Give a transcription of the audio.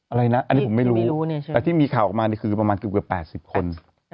อะไรนะอันนี้ผมไม่รู้แต่ที่มีข่าวออกมานี่คือประมาณเกือบ๘๐คน